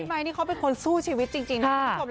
แต่พี่ไมค์นี่เขาเป็นคนสู้ชีวิตจริงนะทุกท่อง